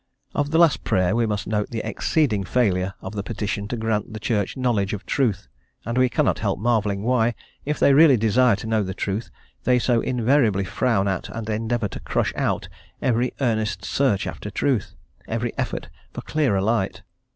Of the last prayer, we must note the exceeding failure of the petition to grant the Church knowledge of truth, and we cannot help marvelling why, if they really desire to know the truth, they so invariably frown at and endeavour to crush out every earnest search after truth, every effort for clearer light.